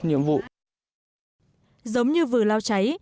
giống như vừa lao cháy